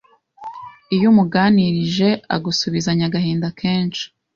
Iyo umuganirije agusubizanya agahinda kenshi